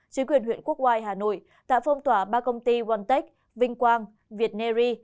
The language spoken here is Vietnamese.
chỉ quyền huyện quốc hoa hà nội tạo phong tỏa ba công ty onetech vinh quang việt neri